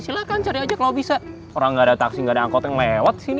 silahkan cari aja kalau bisa orang nggak ada taksi gak ada angkot yang lewat sini